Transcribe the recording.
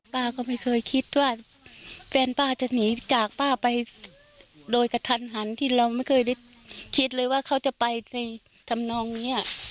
ป้าก็ไม่เคยคิดว่าแฟนป้าจะหนีจากป้าไปโดยกระทันหันที่เราไม่เคยได้คิดเลยว่าเขาจะไปในธรรมนองนี้